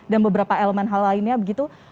dan beberapa elemen hal lainnya begitu